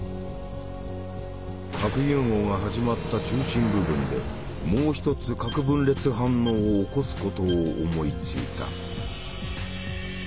核融合が始まった中心部分でもう一つ核分裂反応を起こすことを思いついた。